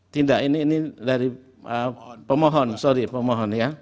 tidak ini ini dari pemohon sorry pemohon ya